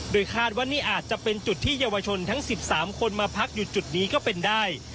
คาดว่านี่อาจจะเป็นจุดที่เยาวชนทั้ง๑๓คนมาพักอยู่จุดนี้ก็เป็นได้